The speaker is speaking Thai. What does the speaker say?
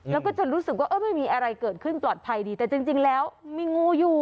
แล้วก็จะรู้สึกว่าเออไม่มีอะไรเกิดขึ้นปลอดภัยดีแต่จริงแล้วมีงูอยู่